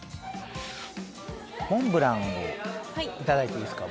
モンブランをいただいていいですか？